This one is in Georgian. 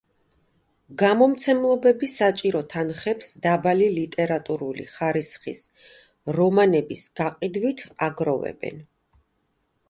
გამომცემლობები საჭირო თანხებს დაბალი ლიტერატურული ხარისხის რომანების გაყიდვით აგროვებენ.